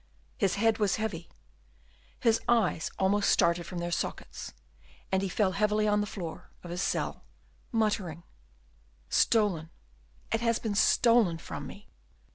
His head was heavy, his eyes almost started from their sockets, and he fell heavily on the floor of his cell, muttering, "Stolen! it has been stolen from me!"